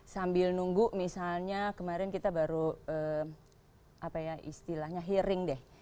sambil nunggu misalnya kemarin kita baru hearing deh